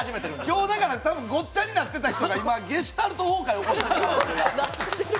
今日だから、ごっちゃになっていた人が、たぶんゲシュタルト崩壊起こしている。